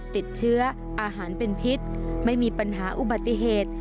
ติดเชื้ออาหารเป็นพิษไม่มีปัญหาอุบัติเหตุ